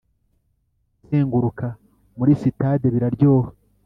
kuzenguruka muri sitade biraryoha.